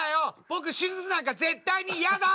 僕手術なんか絶対にやだ！